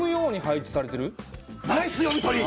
ナイス読み取り！